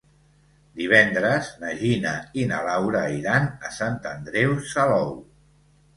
Divendres na Gina i na Laura iran a Sant Andreu Salou.